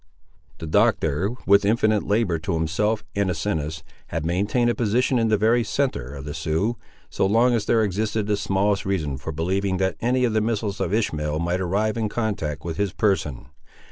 The Doctor, with infinite labour to himself and Asinus, had maintained a position in the very centre of the Siouxes, so long as there existed the smallest reason for believing that any of the missiles of Ishmael might arrive in contact with his person.